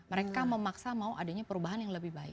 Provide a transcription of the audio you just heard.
mereka memaksa mau adanya perubahan yang lebih baik